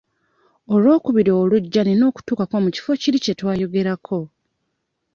Olwokubiri olujja nina okutuukako mu kifo kiri kye twayogerako.